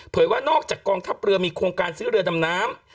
ว่านอกจากกองทัพเรือมีโครงการซื้อเรือดำน้ำ